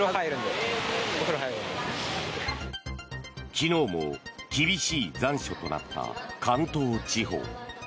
昨日も厳しい残暑となった関東地方。